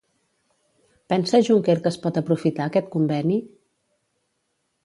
Pensa Juncker que es pot aprofitar aquest conveni?